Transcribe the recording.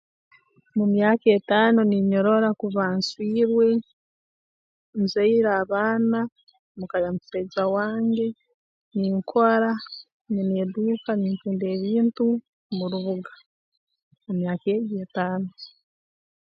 Mu myaka etaano ninyerora kuba nswirwe nzaire abaana mu ka ya musaija wange ninkora nyine eduuka nintunda ebintu mu rubuga mu myaka egi etaano